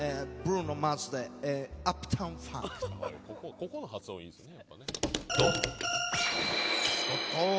ここの発音いいんすよね